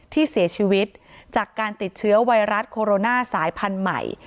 ที่เสียชีวิตจากการติดเชื้อไวรัสโคโรนาสายพันธุ์ใหม่